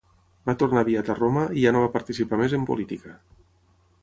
Va tornar aviat a Roma i ja no va participar més en política.